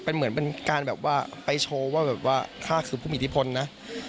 เป็นเหมือนเป็นการแบบว่าไปโชว์ว่าแบบว่าข้าคือผู้มีอิทธิพลนะ